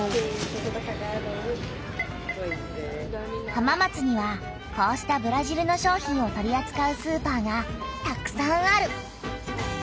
浜松にはこうしたブラジルの商品を取りあつかうスーパーがたくさんある！